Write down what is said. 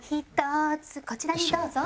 「１つこちらにどうぞ」